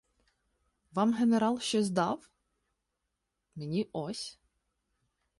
— Вам генерал щось дав? Мені ось.